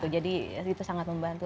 jadi itu sangat membantu